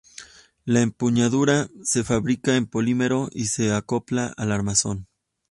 La empuñadura se fabrica en polímero y se acopla al armazón.